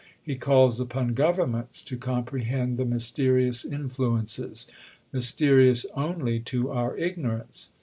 He calls upon governments to comprehend the mysterious influences "mysterious" only to our ignorance.